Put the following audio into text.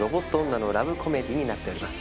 女のラブコメディーになっております。